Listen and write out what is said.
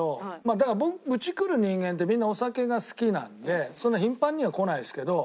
だからうち来る人間ってみんなお酒が好きなんでそんな頻繁には来ないですけど。